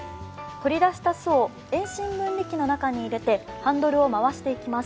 取り出した巣を遠心分離機の中に入れて、ハンドルを回していきます。